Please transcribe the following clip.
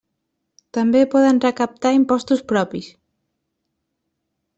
També poden recaptar impostos propis.